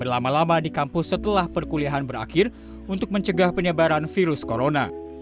lama lama di kampus setelah perkuliahan berakhir untuk mencegah penyebaran virus corona